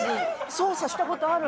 操作した事ある。